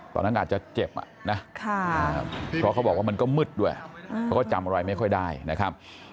ตอนนั้นอาจจะเจ็บนะเพราะเขาบอกว่ามันก็มืดด้วยเขาก็จำอะไรไม่ค่อยได้นะครับ